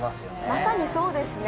まさにそうですね